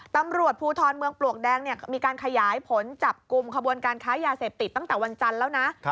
ตำรวจภูทรเมืองปลวกแดงมีการขยายผลจับกลุ่มขบวนการค้ายาเสพติดตั้งแต่วันจันทร์แล้วนะ